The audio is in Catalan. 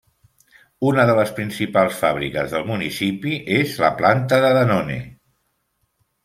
Una de les principals fàbriques del municipi és la planta de Danone.